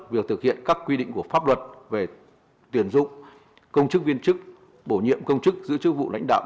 việc thực hiện các quy định của pháp luật về tuyển dụng công chức viên chức bổ nhiệm công chức giữ chức vụ lãnh đạo